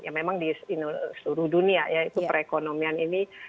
ya memang di seluruh dunia ya itu perekonomian ini